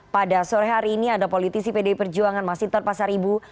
pada sore hari ini ada politisi pdi perjuangan masinton pasar ibu